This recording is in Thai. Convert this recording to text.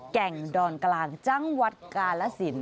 แก่งดอนกลางจังหวัดกาลสิน